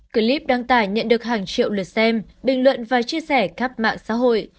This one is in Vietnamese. clip đăng tải nhận được hàng triệu lượt xem bình luận và chia sẻ các mạng xã hội